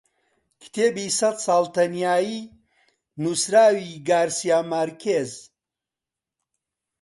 کتێبی سەد ساڵ تەنیایی نووسراوی گارسیا مارکێز